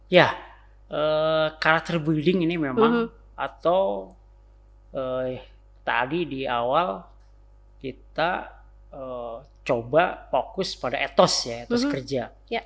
ya karakter building ini memang atau tadi di awal kita coba fokus pada etos ya etos kerja